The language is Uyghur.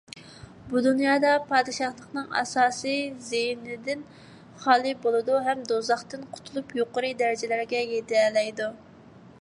بۇ دۇنيادا پادىشاھلىقنىڭ ئاساسىي زىيىنىدىن خالىي بولىدۇ ھەم دوزاختىن قۇتۇلۇپ يۇقىرى دەرىجىلەرگە يېتەلەيدۇ.